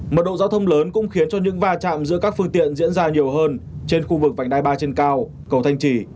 một độ giao thông lớn cũng khiến cho những va chạm giữa các phương tiện diễn ra nhiều hơn trên khu vực vành đai ba trên cao cầu thanh trì